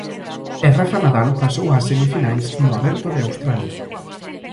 E Rafa Nadal pasou ás semifinais do Aberto de Australia.